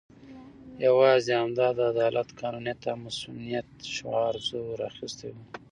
یوازې همدا د عدالت، قانونیت او مصونیت شعار زور اخستی وو.